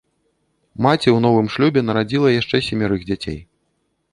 Маці ў новым шлюбе нарадзіла яшчэ семярых дзяцей.